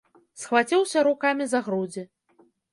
Схваціўся рукамі за грудзі.